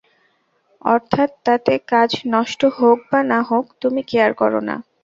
অর্থাৎ তাতে কাজ নষ্ট হোক বা না হোক, তুমি কেয়ার কর না।